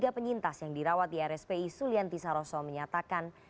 tiga penyintas yang dirawat di rspi sulianti saroso menyatakan